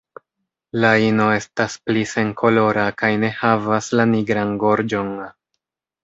La ino estas pli senkolora kaj ne havas la nigran gorĝon.